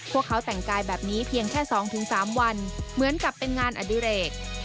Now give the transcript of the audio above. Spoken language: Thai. พวกเขาแต่งกายแบบนี้เพียงแค่๒๓วันเหมือนกับเป็นงานอดิเรก